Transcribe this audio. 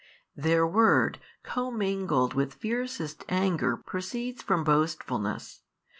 Their word commingled with fiercest anger proceeds from boastfulness.